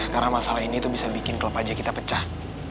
karena masalah ini tuh bisa bikin klub aja kita pecah